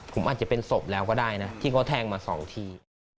ผมอาจจะเป็นศพแล้วก็ได้นะที่เขาแทงมา๒ที